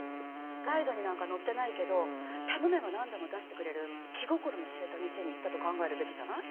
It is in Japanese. ガイドになんか載ってないけど頼めばなんでも出してくれる気心の知れた店に行ったと考えるべきじゃない？